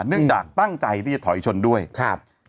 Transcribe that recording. เนื่องจากตั้งใจที่จะถอยชนด้วยครับ